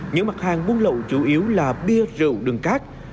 những mặt hàng buôn lậu chủ yếu là bia rượu đường cát